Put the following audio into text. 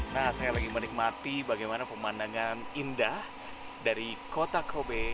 nah saya lagi menikmati bagaimana pemandangan indah dari kota kobe